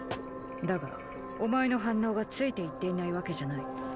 だがお前の反応がついていっていないわけじゃない。